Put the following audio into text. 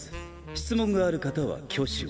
質問がある方は挙手を。